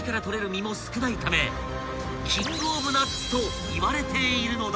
実も少ないためキングオブナッツといわれているのだ］